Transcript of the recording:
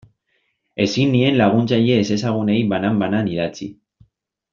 Ezin nien laguntzaile ezezagunei banan-banan idatzi.